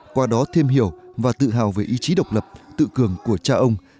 qua đó thêm hiểu và tự hào về ý chí độc lập tự cường của cha ông